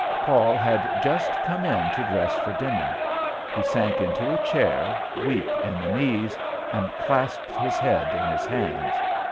Paul had just come in to dress for dinner; he sank into a chair, weak in the knees, and clasped his head in his hands.